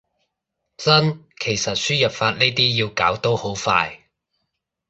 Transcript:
真，其實輸入法呢啲要搞都好快